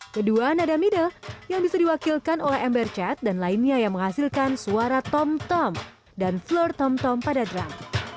kedua nada middle yang bisa diwakilkan oleh ember chat dan lainnya yang menghasilkan suara tom tom dan floor tomtom pada drum